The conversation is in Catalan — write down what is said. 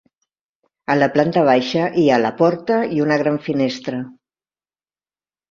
A la planta baixa hi ha la porta i una gran finestra.